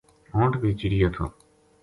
ہونٹ بے چریو تھو